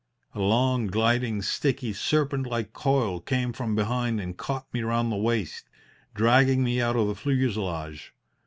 A long, gliding, sticky, serpent like coil came from behind and caught me round the waist, dragging me out of the fuselage.